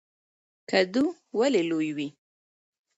کدو ولې لوی وي؟